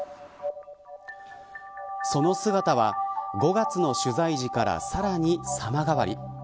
その姿は５月の取材時からさらに様変わり。